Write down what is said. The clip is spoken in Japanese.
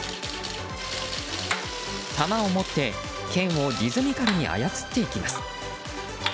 玉を持って剣をリズミカルに操っていきます。